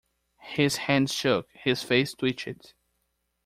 His hands shook, his face twitched.